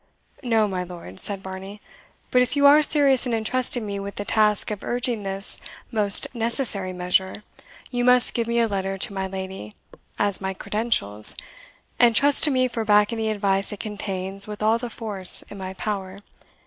"No, my lord," said Varney; "but if you are serious in entrusting me with the task of urging this most necessary measure, you must give me a letter to my lady, as my credentials, and trust to me for backing the advice it contains with all the force in my power.